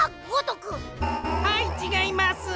はいちがいます！